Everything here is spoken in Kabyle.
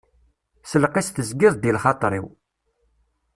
S lqis tezgiḍ-d i lxaṭer-iw.